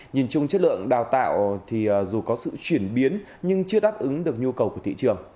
nhìn chung chất lượng đào tạo thì dù có sự chuyển biến nhưng chưa đáp ứng được nhu cầu của thị trường